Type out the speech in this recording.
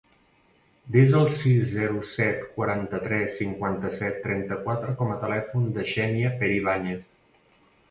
Desa el sis, zero, set, quaranta-tres, cinquanta-set, trenta-quatre com a telèfon de la Xènia Peribañez.